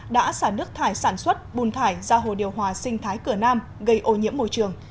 đã xả nước thải sản xuất bùn thải ra hồ điều hòa sinh thái cửa nam gây ô nhiễm môi trường